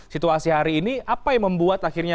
situasi hari ini apa yang membuat akhirnya